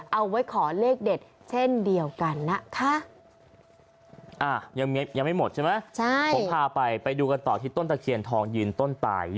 เอาไว้ขอเลขเด็ดเช่นเดียวกันนะคะ